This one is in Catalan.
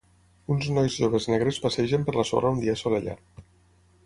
Uns nois joves negres passegen per la sorra un dia assolellat.